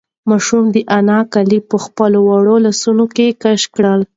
ماشوم د انا کالي په خپلو وړوکو لاسونو کش کړل.